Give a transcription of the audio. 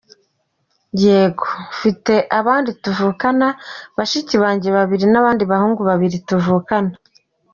Y: Yego , mfite abandi tuvukana, bashiki banjye babiri n’abandi bahungu babiri tuvukana.